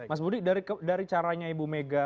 mas budi dari caranya ibu mega